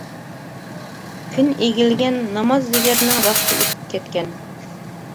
كۈن ئېگىلگەن، نامازدىگەرنىڭ ۋاقتى ئۆتۈپ كەتكەن.